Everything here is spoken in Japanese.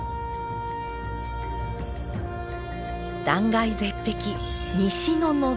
断崖絶壁